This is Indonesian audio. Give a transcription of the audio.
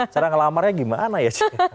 cara ngelamarnya gimana ya